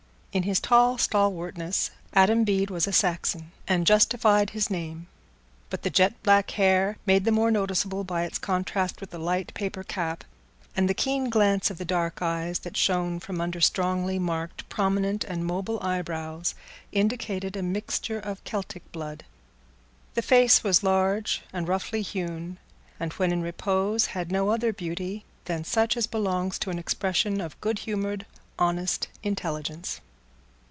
In his tall stalwartness Adam Bede was a Saxon, and justified his name; but the jet black hair, made the more noticeable by its contrast with the light paper cap, and the keen glance of the dark eyes that shone from under strongly marked, prominent and mobile eyebrows, indicated a mixture of Celtic blood. The face was large and roughly hewn, and when in repose had no other beauty than such as belongs to an expression of good humoured honest intelligence.